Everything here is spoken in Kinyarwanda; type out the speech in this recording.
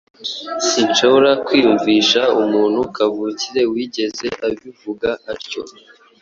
Sinshobora kwiyumvisha umuntu kavukire wigeze abivuga atyo.